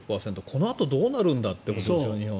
このあとどうなるんだということですよ、日本。